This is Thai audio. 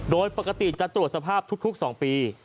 โดยปกติจะตรวจสภาพทุก๒ปี